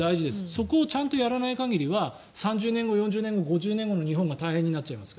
そこをちゃんとやらない限りは３０年後、４０年後、５０年後の日本が大変になっちゃいます。